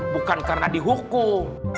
bukan karena dihukum